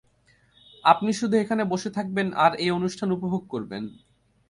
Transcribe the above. আপনি শুধু এখানে বসে থাকবেন আর এই অনুষ্ঠান উপভোগ করবেন।